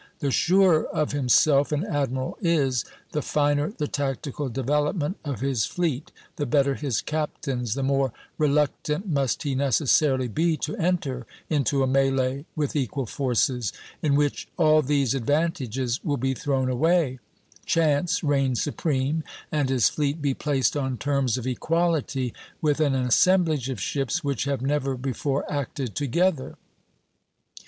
The surer of himself an admiral is, the finer the tactical development of his fleet, the better his captains, the more reluctant must he necessarily be to enter into a mêlée with equal forces, in which all these advantages will be thrown away, chance reign supreme, and his fleet be placed on terms of equality with an assemblage of ships which have never before acted together.